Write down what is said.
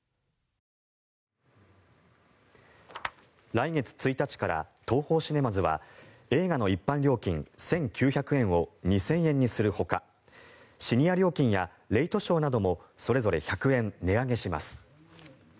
来月１日からＴＯＨＯシネマズは映画の一般料金１９００円を２０００円にするほかシニア料金やレイトショーなどもそれぞれ１００円値上げします。